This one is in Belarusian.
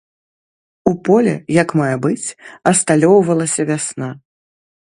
У полі як мае быць асталёўвалася вясна.